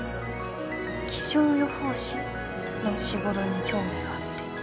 気象予報士の仕事に興味があって。